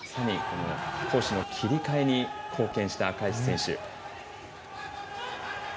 攻守の切り替えに貢献した赤石選手。